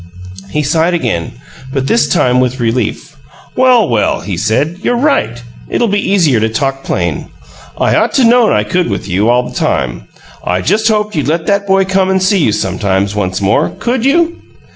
He sighed again, but this time with relief. "Well, well!" he said. "You're right. It'll be easier to talk plain. I ought to known I could with you, all the time. I just hoped you'd let that boy come and see you sometimes, once more. Could you?"